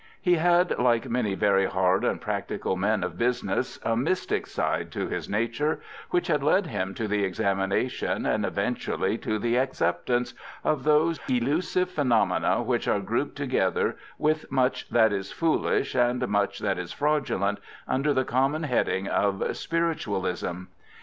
He had, like many very hard and practical men of business, a mystic side to his nature, which had led him to the examination, and eventually to the acceptance, of those elusive phenomena which are grouped together with much that is foolish, and much that is fraudulent, under the common heading of spiritualism.